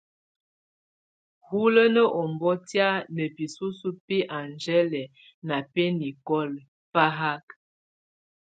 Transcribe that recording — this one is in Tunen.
Hulənə ɔ́mbɔ́tiá ná bǐsusə bɛ angele na bɛ nicole fáhák.